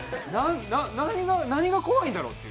何が怖いんだろうって。